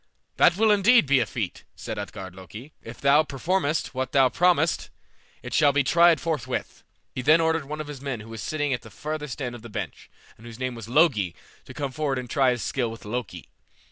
"That will indeed be a feat," said Utgard Loki, "if thou performest what thou promisest, and it shall be tried forthwith." He then ordered one of his men who was sitting at the farther end of the bench, and whose name was Logi, to come forward and try his skill with Loki.